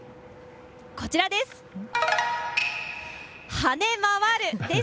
こちらです。